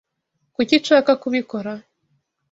Kuki nshaka kubikora?